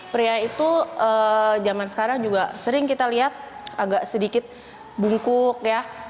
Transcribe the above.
pria itu zaman sekarang juga sering kita lihat agak sedikit bungkuk ya